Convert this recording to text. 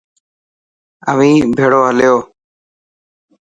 اوهين ڀيڙو هليو.